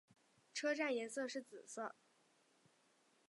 车站颜色是紫色。